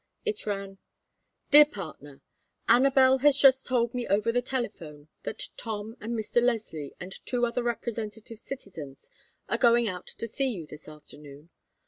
It ran: DEAR PARTNER, Anabel has just told me over the telephone that Tom and Mr. Leslie and two other representative citizens are going out to see you this afternoon.